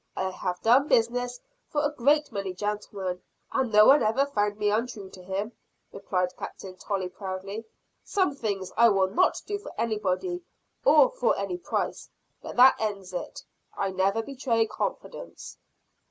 "I have done business for a great many gentlemen, and no one ever found me untrue to him," replied Captain Tolley, proudly. "Some things I will not do for anybody, or for any price; but that ends it. I never betray confidence."